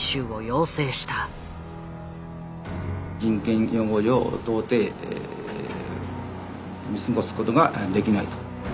人権擁護上到底見過ごすことができないと。